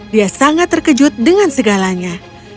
dia sangat terkejut dengan segalanya